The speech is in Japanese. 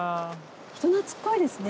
人懐っこいですね